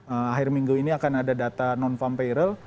akhir minggu ini akan ada data non farm payral